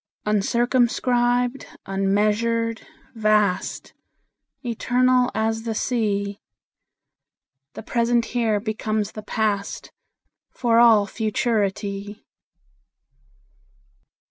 Uncircumscribed, unmeasured, vast, Eternal as the Sea, The present here becomes the past, For all futurity.